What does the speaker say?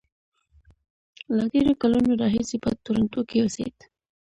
له ډېرو کلونو راهیسې په ټورنټو کې اوسېد.